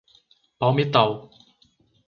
Palmital